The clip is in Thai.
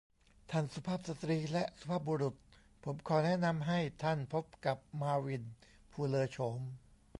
ท่านสุภาพสตรีและสุภาพบุรุษ ผมขอแนะนำให้ท่านพบกับมาร์วินผู้เลอโฉม